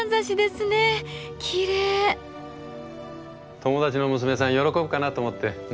友達の娘さん喜ぶかなと思って。